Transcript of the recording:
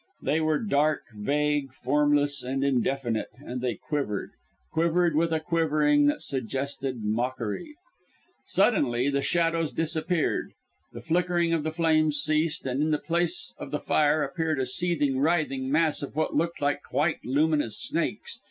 They were dark, vague, formless and indefinite, and they quivered quivered with a quivering that suggested mockery. Suddenly the shadows disappeared; the flickering of the flames ceased; and in the place of the fire appeared a seething, writhing mass of what looked like white luminous snakes.